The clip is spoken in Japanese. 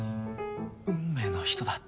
運命の人だって。